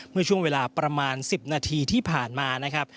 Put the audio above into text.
เมื่อช่วงเวลาประมาณ๑๐นาทีที่ผ่านมานะครับ